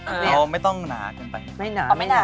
เออไม่ต้องหนาเกินไปไม่หนาไม่หนาหรอกไม่หนา